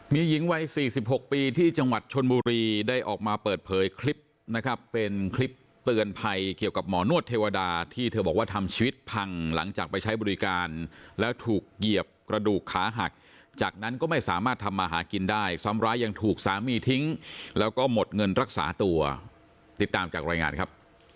มีหญิงวัย๔๖ปีที่จังหวัดชนบุรีได้ออกมาเปิดเผยคลิปนะครับเป็นคลิปเตือนภัยเกี่ยวกับหมอนวดเทวดาที่เธอบอกว่าทำชีวิตพังหลังจากไปใช้บริการแล้วถูกเหยียบกระดูกขาหักจากนั้นก็ไม่สามารถทำมาหากินได้ซ้ำร้ายยังถูกสามีทิ้งแล้วก็หมดเงินรักษาตัวติดตามจากรายงานครับ